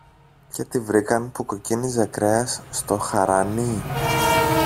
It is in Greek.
και τη βρήκαν που κοκκίνιζε κρέας στο χαρανί.